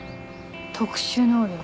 特殊能力？